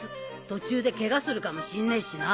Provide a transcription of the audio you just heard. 途中でケガするかもしんねえしな。